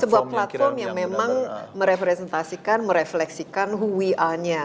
sebuah platform yang memang merepresentasikan merefleksikan who we are nya